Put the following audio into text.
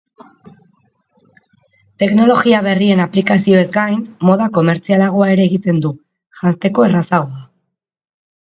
Teknologia berrien aplikazioez gain, moda komertzialagoa ere egiten du, janzteko errazagoa.